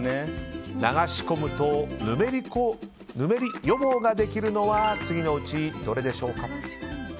流し込むとぬめり予防ができるのは次のうちどれでしょうか。